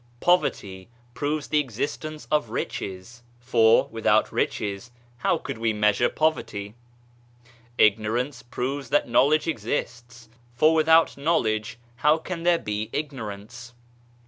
Poverty proves the existence of riches, for, without riches, how could we measure poverty ? Ignorance proves that knowledge exists, for without knowledge how could there be ignorance